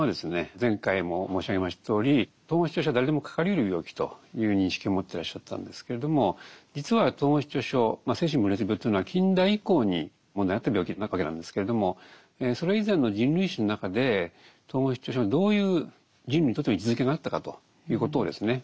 前回も申し上げましたとおり統合失調症は誰でもかかりうる病気という認識を持ってらっしゃったんですけれども実は統合失調症精神分裂病というのは近代以降に問題になった病気なわけなんですけれどもそれ以前の人類史の中で統合失調症がどういう人類にとっての位置づけがあったかということをですね